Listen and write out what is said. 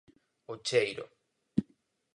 O cheiro.